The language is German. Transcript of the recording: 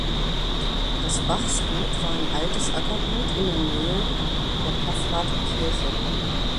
Das Bachsgut war ein altes Ackergut in der Nähe der Paffrather Kirche.